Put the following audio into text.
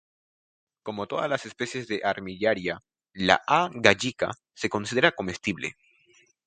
Como todas las especies de Armillaria, la "A. gallica" se considera comestible.